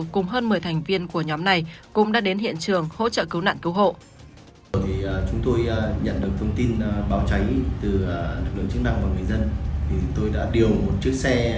cùng hơn một mươi thành viên của nhóm này cũng đã đến hiện trường hỗ trợ cứu nạn cứu hộ